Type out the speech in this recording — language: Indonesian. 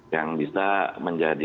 yang bisa menjadi